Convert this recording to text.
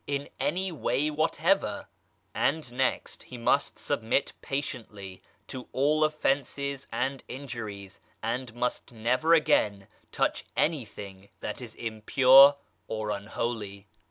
399] in any way whatever; and, next, he must submit patiently to all offences and injuries, and must never again touch anything that is impure or unholy.